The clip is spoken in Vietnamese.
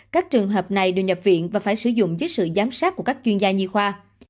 các trường hợp này được nhập viện và phải sử dụng dưới sự giám sát của các chuyên gia nhi khoa